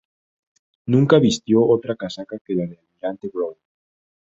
Nunca vistió otra casaca que la de Almirante Brown.